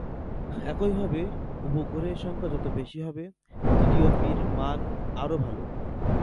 একইভাবে, উপগ্রহের সংখ্যা যত বেশি হবে, জিডিওপি-র মান আরও ভাল।